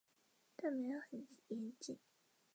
其妻赵芸蕾亦为前中国国家羽毛球队队员。